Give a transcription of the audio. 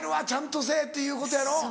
ちゃんとせぇっていうことやろ。